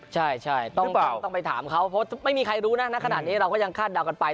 ใช่ต้องไปถามเขาเพราะไม่มีใครรู้นะณขนาดนี้เราก็ยังคาดเดากันไป